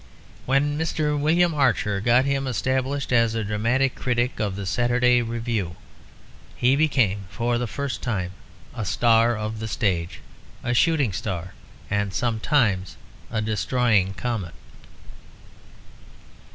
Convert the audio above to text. When Mr. William Archer got him established as dramatic critic of the Saturday Review, he became for the first time "a star of the stage"; a shooting star and sometimes a destroying comet.